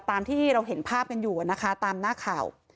ตามที่เราเห็นภาพกันอยู่นะคะตามหน้าข่าว